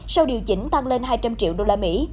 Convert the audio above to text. sau điều chỉnh tăng lên hai trăm linh triệu usd